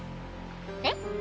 えっ？